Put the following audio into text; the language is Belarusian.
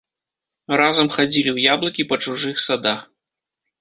Разам хадзілі ў яблыкі па чужых садах.